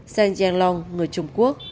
seng yen long người trung quốc